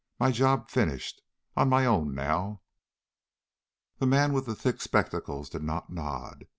My job finished. On my own now._" The man with thick spectacles did not nod.